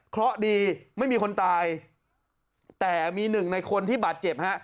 เพราะดีไม่มีคนตายแต่มีหนึ่งในคนที่บาดเจ็บฮะ